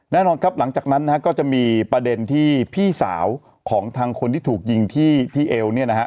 แน่นอนครับหลังจากนั้นนะฮะก็จะมีประเด็นที่พี่สาวของทางคนที่ถูกยิงที่เอวเนี่ยนะฮะ